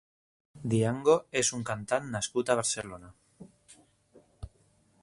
Dyango és un cantant nascut a Barcelona.